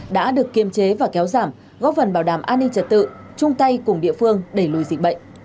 đã được kiềm chế và kéo giảm góp phần bảo đảm an ninh trật tự chung tay cùng địa phương đẩy lùi dịch bệnh